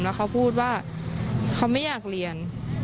แล้วเขาพูดว่าเขาไม่อยากเรียน